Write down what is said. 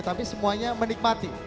tapi semuanya menikmati